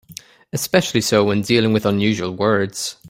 Especially so when dealing with unusual words.